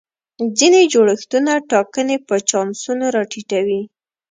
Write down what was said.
ځینې جوړښتونه ټاکنې په چانسونو را ټیټوي.